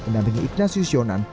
dan mengikuti kursi kabinet